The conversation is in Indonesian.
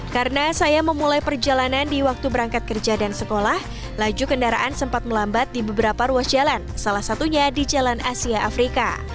karena saya memulai perjalanan di waktu berangkat kerja dan sekolah laju kendaraan sempat melambat di beberapa ruas jalan salah satunya di jalan asia afrika